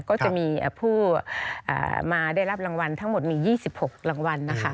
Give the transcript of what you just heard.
ก็จะมีผู้มาได้รับรางวัลทั้งหมดมี๒๖รางวัลนะคะ